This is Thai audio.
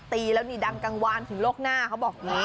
ตีแล้วนี่ดังกังวานถึงโลกหน้าเขาบอกนี่